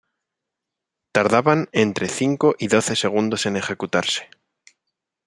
Tardaban entre cinco y doce segundos en ejecutarse.